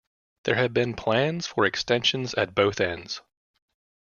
There have been plans for extensions at both ends.